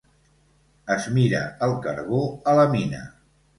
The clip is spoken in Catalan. Es mira el carbó a la mina.